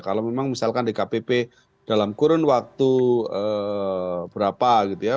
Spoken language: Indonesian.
kalau memang misalkan dkpp dalam kurun waktu berapa gitu ya